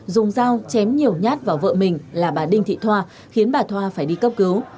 dùng dao chém nhiều nhát vào vợ mình là bà đinh thị thoa khiến bà thoa phải đi cấp cứu